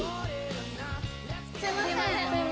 すみません！